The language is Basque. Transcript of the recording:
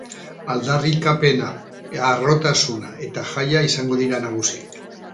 Aldarrikapena, harrotasuna eta jaia izango dira nagusi.